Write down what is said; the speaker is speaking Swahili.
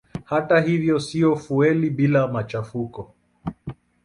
Hata hivyo si fueli bila machafuko.